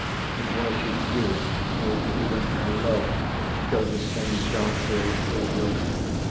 And why should you, With even our love, go the same dark road over?"